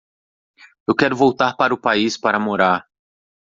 Eu quero voltar para o país para morar.